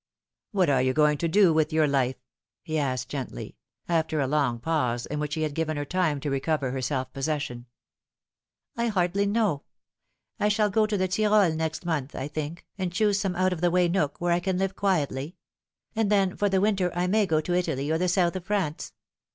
" What are you going to do with your lif e ?" he asked gently, after a long pause, in which he had given her time to recover her self possession. " I hardly know. I shall go to the Tyrol next month, I think, and choose some out of the way nook, where I can live quietly ; and then for the winter I may go to Italy or the south of France.